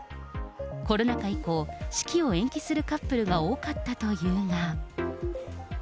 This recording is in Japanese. コロナ禍以降、式を延期するカップルが多かったというが。